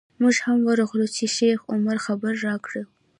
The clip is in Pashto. موږ هم ورغلو چې شیخ عمر خبر راکړو.